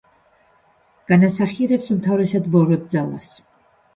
განასახიერებს უმთავრესად ბოროტ ძალას.